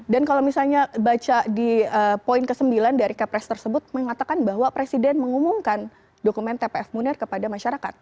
dan kalau misalnya baca di poin ke sembilan dari kepres tersebut mengatakan bahwa presiden mengumumkan dokumen tpf munir kepada masyarakat